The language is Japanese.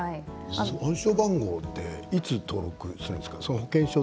暗証番号をいつ登録するんですか？